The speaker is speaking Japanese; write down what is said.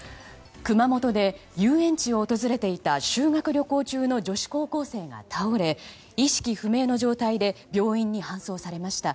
熊本で遊園地を訪れていた修学旅行中の女子高校生が倒れ意識不明の状態で病院に搬送されました。